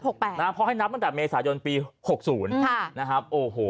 แปดนะเพราะให้นับตั้งแต่เมษายนปีหกศูนย์ค่ะนะครับโอ้โห